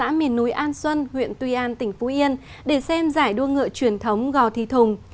họ đã đến miền núi an xuân huyện tuy an tỉnh phú yên để xem giải đua ngựa truyền thống gò thị thùng